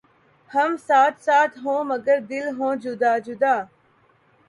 ھم ساتھ ساتھ ہوں مگر دل ہوں جدا جدا